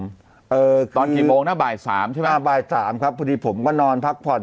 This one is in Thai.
ตอนกี่โมงนะบ่ายสามใช่ไหมอ่าบ่ายสามครับพอดีผมก็นอนพักผ่อน